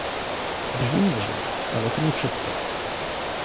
Brzmi nieźle, ale to nie wszystko